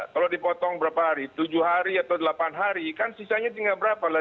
kalau dipotong berapa hari tujuh hari atau delapan hari kan sisanya tinggal berapa lah